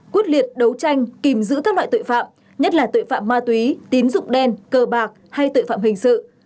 quyết liệt đấu tranh kìm giữ các loại tội phạm nhất là tội phạm ma túy tín dụng đen cờ bạc hay tội phạm hình sự